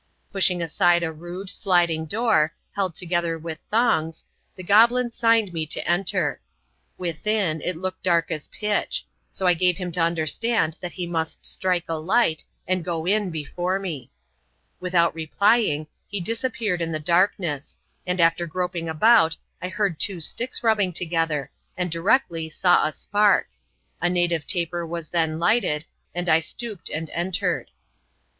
Pushing aside a rude, sliding door, held together with thongs, the goblin signed me to enter. Within, it looked d«cck ^is i^ltch ; so I gave him to understand that he muat atnka ^^i^X.^ ^a.^ %^\sL\ii^^^^^. OHAF. lArr.J MYSTERIOUS. 245 Without replying, he disappeared in the darkness ; and, after groping about, I heard two sticks rubbing together, and directly saw a spark. A native taper was then lighted, and I stooped, and entered.